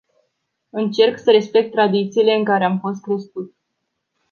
Încerc să respect tradițiile în care am fost crescut.